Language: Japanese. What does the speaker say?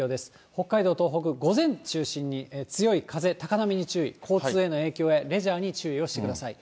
北海道、東北、午前中中心に強い風、高波に注意、交通への影響やレジャーに注意をしてください。